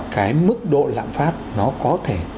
cái mức độ lạm phát nó có thể